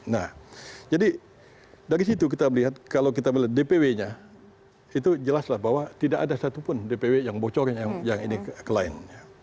nah jadi dari situ kita melihat kalau kita melihat dpw nya itu jelaslah bahwa tidak ada satupun dpw yang bocor yang ini klien